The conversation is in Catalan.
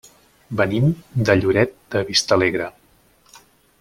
Venim de Lloret de Vistalegre.